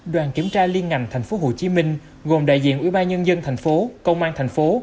đoàn kiểm tra liên ngành thành phố hồ chí minh gồm đại diện ủy ba nhân dân thành phố công an thành phố